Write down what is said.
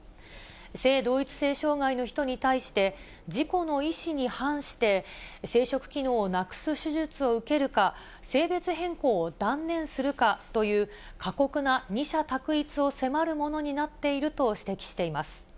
性同一性障害の人に対して、自己の意思に反して生殖機能をなくす手術を受けるか、性別変更を断念するかという過酷な二者択一を迫るものになっていると指摘しています。